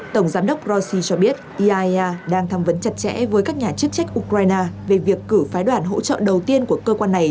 tổng giám đốc rassi cho biết iaea đang tham vấn chặt chẽ với các nhà chức trách ukraine về việc cử phái đoàn hỗ trợ đầu tiên của cơ quan này